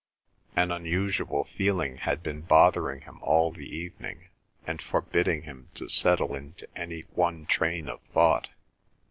An unusual feeling had been bothering him all the evening and forbidding him to settle into any one train of thought.